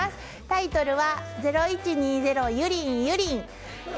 タイトルは０１２０‐ゆりん‐ゆりん。